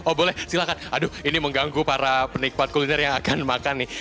oh boleh silahkan aduh ini mengganggu para penikmat kuliner yang akan makan nih